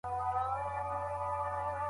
غړي به د اداري ويش پر نويو طرحو بحث وکړي.